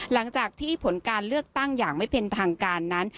หลังจากที่ผลการเลือกตั้งอย่างไม่เป็นทางการนั้น